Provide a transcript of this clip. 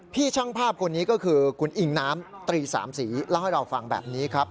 ช่างภาพคนนี้ก็คือคุณอิงน้ำตรีสามสีเล่าให้เราฟังแบบนี้ครับ